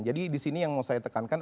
jadi di sini yang mau saya tekankan